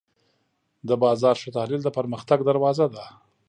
د بازار ښه تحلیل د پرمختګ دروازه ده.